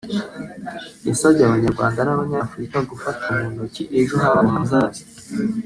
yasabye Abanyarwanda n’Abanyafurika gufata mu ntoki ejo habo hazaza